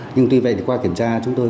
nhưng tuy vậy thì qua kiểm tra chúng tôi